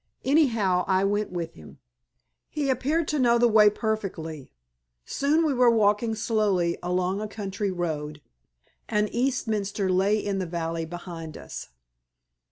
Anyhow I went with him. He appeared to know the way perfectly. Soon we were walking slowly along a country road, and Eastminster lay in the valley behind us.